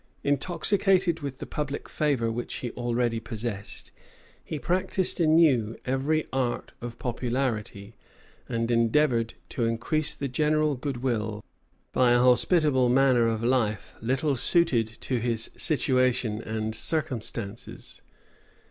Intoxicated with the public favor which he already possessed, he practised anew every art of popularity; and endeavored to increase the general good will by a hospitable manner of life, little suited to his situation and circumstances.